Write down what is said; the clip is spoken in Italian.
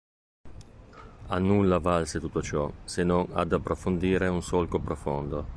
A nulla valse tutto ciò, se non ad approfondire un solco profondo.